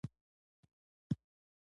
سپوږمۍ به ولټوي بام پر بام